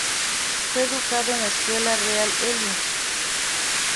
Fue educado en la Escuela Real Ely.